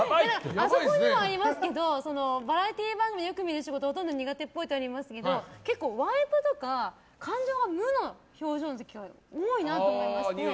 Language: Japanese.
バラエティー番組でよく見る仕事ほとんど苦手っぽいとありますけど結構ワイプとか感情が無の表情の時多いなと思いまして。